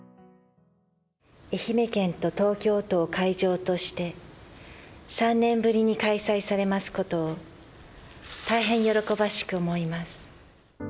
愛媛県と東京都を会場として、３年ぶりに開催されますことを、大変喜ばしく思います。